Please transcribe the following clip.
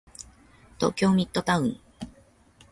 東京ミッドタウン